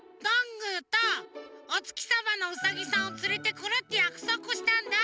ぐーとおつきさまのウサギさんをつれてくるってやくそくしたんだ。